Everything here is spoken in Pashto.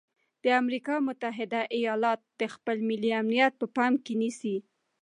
د امریکا متحده ایالات د خپل ملي امنیت په پام کې نیسي.